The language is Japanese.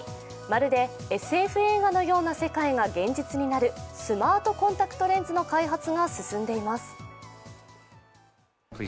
まるでＳＦ映画のような世界が現実になるスマートコンタクトレンズの開発が進んでいます。